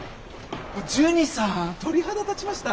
ジュニさん鳥肌立ちました。